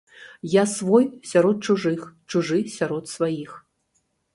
Я свой сярод чужых, чужы сярод сваіх.